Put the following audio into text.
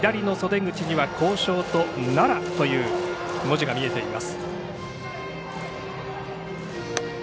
左の袖口には校章と奈良という文字が見えています。